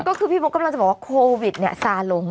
ก็คือพี่บุ๊กกำลังจะบอกว่าโควิดเนี่ยซาลง